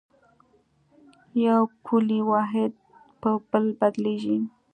یو پولي واحد په بل بدلېږي.